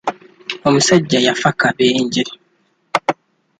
Omusajja yaffa kabenje.